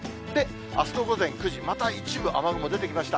あすの午前９時、また一部、雨雲出てきました。